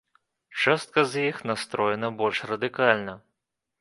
Частка з іх настроеная больш радыкальна.